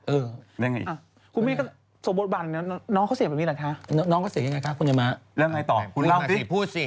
เออนางก็เสียงยังไงคะคุณยามะแล้วไงต่อคุณล่ะพูดสิ